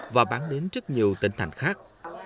và bán đến rất nhiều tỉnh thành khác